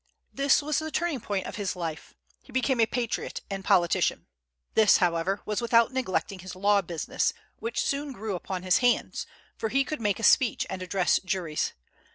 This was the turning point of his life; he became a patriot and politician. This, however, was without neglecting his law business, which soon grew upon his hands, for he could make a speech and address juries.